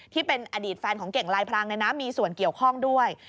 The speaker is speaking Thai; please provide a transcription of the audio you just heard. ที่เป็นอดีตแฟนของเก่งลายพรางมีส่วนเกี่ยวข้องด้วย